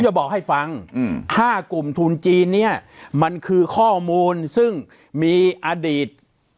จะบอกให้ฟัง๕กลุ่มทุนจีนเนี่ยมันคือข้อมูลซึ่งมีอดีต